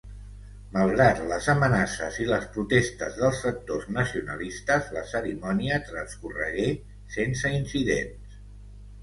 Malgrat les amenaces i les protestes dels sectors nacionalistes, la cerimònia transcorregué sense incidents.